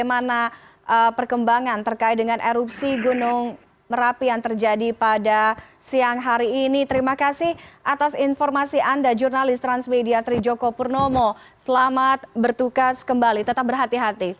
masukkan masker kepada masyarakat hingga sabtu pukul tiga belas tiga puluh waktu indonesia barat